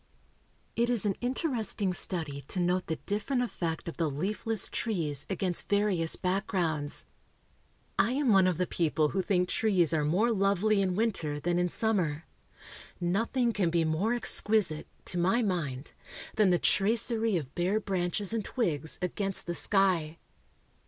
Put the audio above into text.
It is an interesting study to note the different effect of the leafless trees against various backgrounds. I am one of the people who think trees are more lovely in winter than in summer. Nothing can be more exquisite, to my mind, than the tracery of bare branches and twigs against the sky.